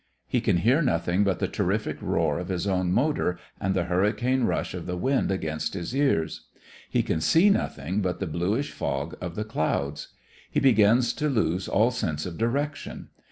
He can hear nothing but the terrific roar of his own motor and the hurricane rush of the wind against his ears. He can see nothing but the bluish fog of the clouds. He begins to lose all sense of direction.